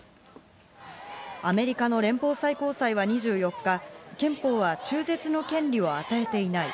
アメリカの連邦最高裁は２４日、憲法は中絶の権利を与えていない。